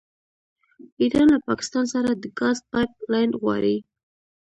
ایران له پاکستان سره د ګاز پایپ لاین غواړي.